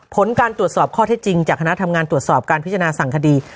ผลการตรวจสอบข้อเท็จจริงจากคณะทำงานตรวจสอบการพิจารณาสั่งคดี